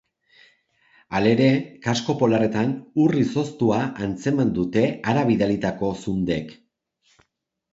Halere, kasko polarretan ur izoztua antzeman dute hara bidalitako zundek.